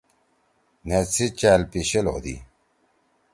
نھید سی چأل پیِشل ہودی۔